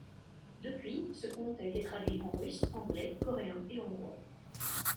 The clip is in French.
Depuis, ce conte a été traduit en russe, anglais, coréen et hongrois.